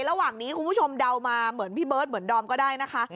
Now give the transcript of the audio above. ระหว่างนี้คุณผู้ชมเดามาเหมือนพี่เบิร์ตเหมือนดอมก็ได้นะคะ